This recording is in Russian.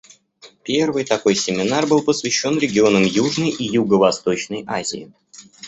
Первый такой семинар был посвящен регионам Южной и Юго-Восточной Азии.